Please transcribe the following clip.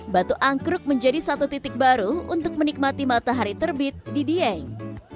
batu angkruk menjadi satu titik baru untuk menikmati matahari terbit di dieng